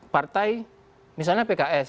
partai misalnya pks